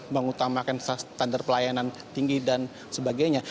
mengutamakan standar pelayanan tinggi dan sebagainya